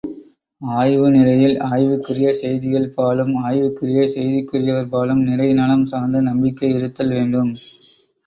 ஆய்வு நிலையில் ஆய்வுக்குரிய செய்திகள் பாலும் ஆய்வுக்குரிய செய்திக்குரியர்பாலும் நிறை நலம் சார்ந்த நம்பிக்கை இருத்தல் வேண்டும்.